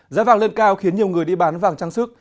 giá vàng lên cao khiến nhiều người đi bán vàng trang sức